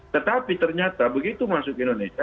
tetapi ternyata begitu masuk ke indonesia